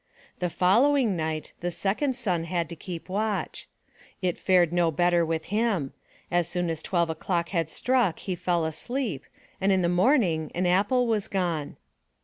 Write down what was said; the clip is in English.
The following night the second son had to keep watch. It fared no better with him; as soon as twelve o'clock had struck he fell asleep, and in the morning an apple was gone.